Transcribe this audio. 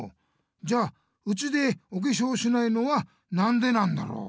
じゃあうちでおけしょうしないのはなんでなんだろう？